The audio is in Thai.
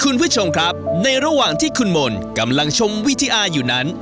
คุณผู้ชมครับในระหว่างที่คุณมนต์กำลังชมวิทยาอยู่นั้น